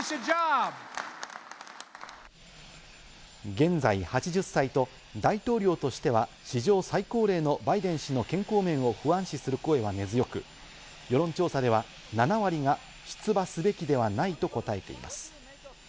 現在８０歳と大統領としては史上最高齢のバイデン氏の健康面を不安視する声は根強く、世論調査では７割が出馬すべきではないと答えています。